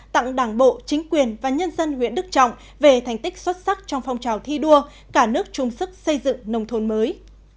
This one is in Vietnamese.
tặng đảng bộ chính quyền và nhân dân huyện đức trọng về thành tích xuất sắc trong phong trào thi đua cả nước chung sức xây dựng nông thôn mới